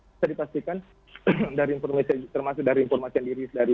bisa dipastikan termasuk dari informasi yang diris dari